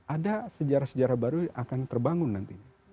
ada sejarah sejarah baru yang akan terbangun nanti